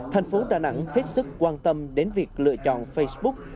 thành phố đà nẵng hết sức quan tâm đến việc lựa chọn facebook